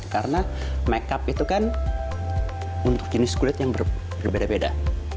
karena makeup itu kan untuk jenis kulit yang berbeda beda